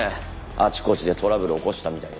あちこちでトラブル起こしてたみたいで。